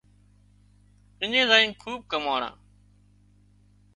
اڃين زائينَ کوٻ ڪماڻا